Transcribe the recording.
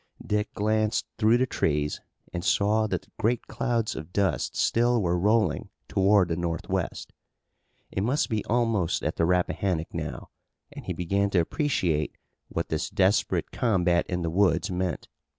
Dick glanced through the trees and saw that great clouds of dust still were rolling toward the northwest. It must be almost at the Rappahannock now, and he began to appreciate what this desperate combat in the woods meant.